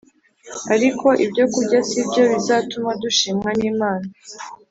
Ariko ibyokurya si byo bizatuma dushimwa n Imana